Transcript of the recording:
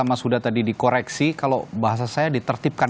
saya berpikir bahasanya sudah dikoreksi kalau bahasa saya ditertibkan